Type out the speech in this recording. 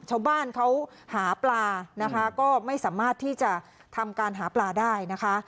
ชาวบ้านเขาหาปลานะคะก็ไม่สามารถที่จะทำการหาปลาได้นะคะ